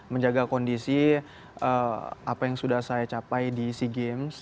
menjaga kondisi apa yang sudah saya capai di sea games